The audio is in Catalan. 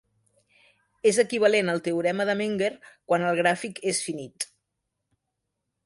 És equivalent al teorema de Menger quan el gràfic és finit.